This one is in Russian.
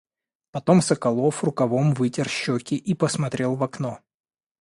Потом Соколов рукавом вытер щеки и посмотрел в окно,